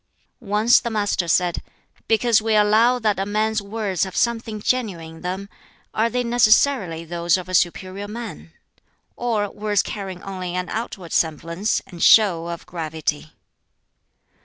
Once the Master said, "Because we allow that a man's words have something genuine in them, are they necessarily those of a superior man? or words carrying only an outward semblance and show of gravity?"